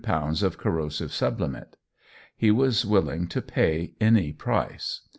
of corrosive sublimate. He was willing to pay any price.